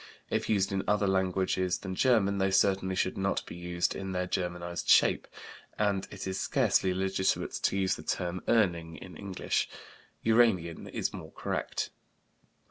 If used in other languages than German they certainly should not be used in their Germanized shape, and it is scarcely legitimate to use the term "Urning" in English. "Uranian" is more correct.